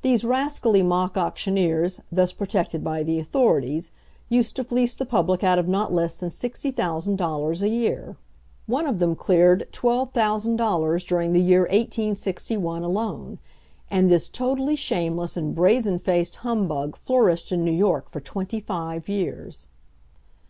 These rascally mock auctioneers, thus protected by the authorities, used to fleece the public out of not less than sixty thousand dollars a year. One of them cleared twelve thousand dollars during the year 1861 alone. And this totally shameless and brazen faced humbug flourished in New York for twenty five years!